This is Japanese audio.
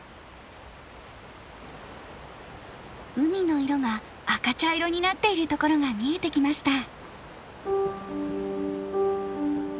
海の色が赤茶色になっている所が見えてきました。